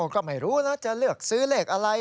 ครับไม่รู้นะจะเลือกซื้อเลขอะไร